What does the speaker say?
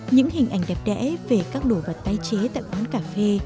những hình ảnh đẹp đẽ về các đồ vật tái chế tại quán cà phê